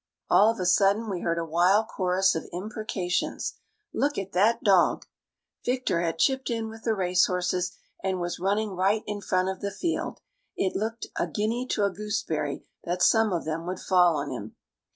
All of a sudden we heard a wild chorus of imprecations "Look at that dog!" Victor had chipped in with the racehorses, and was running right in front of the field. It looked a guinea to a gooseberry that some of them would fall on him.